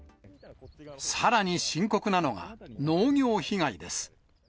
さらに深刻なのが、農業被害です。